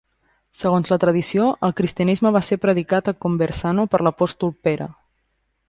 Segons la tradició, el cristianisme va ser predicat a Conversano per l'apòstol Pere.